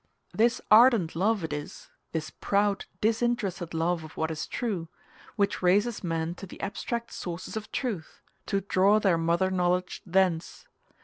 This ardent love it is this proud, disinterested love of what is true which raises men to the abstract sources of truth, to draw their mother knowledge thence.